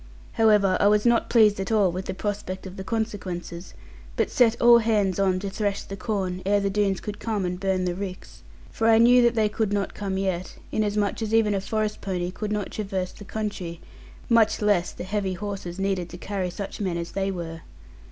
However, I was not pleased at all with the prospect of the consequences; but set all hands on to thresh the corn, ere the Doones could come and burn the ricks. For I knew that they could not come yet, inasmuch as even a forest pony could not traverse the country, much less the heavy horses needed to carry such men as they were.